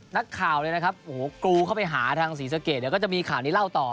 นักข่าวกลูเข้าไปหาสีสะเกดก็จะมีข่าวนี้เล่าต่อ